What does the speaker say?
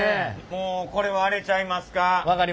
もうこれはあれちゃいますか？